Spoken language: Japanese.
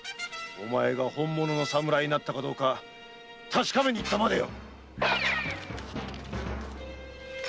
おまえが本物の侍になったかどうか確かめに行ったまでよ！